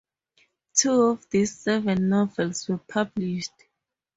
Two of these seven novels were published.